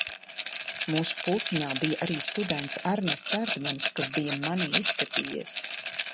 Mūsu pulciņā bija arī students Ernests Erdmanis, kas bija manī ieskatījies.